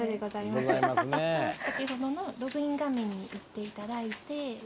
先ほどのログイン画面にいっていただいて。